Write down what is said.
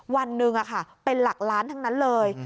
วันหนึ่งเป็นหลักล้านทั้งนั้นเลย